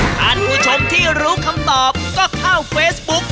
ท่านผู้ชมที่รู้คำตอบก็เข้าเฟซบุ๊ก